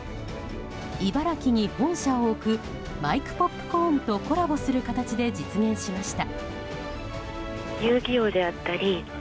茨城に本社を置くマイクポップコーンとコラボする形で実現しました。